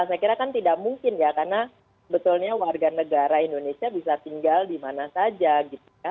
saya kira kan tidak mungkin ya karena betulnya warga negara indonesia bisa tinggal dimana saja gitu ya